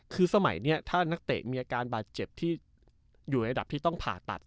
คือสมัยนี้ถ้านักเตะมีอาการบาดเจ็บที่อยู่ระดับที่ต้องผ่าตัด